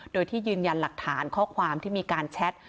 โดยที่ยืนยันหลักฐานข้อความที่มีการแชท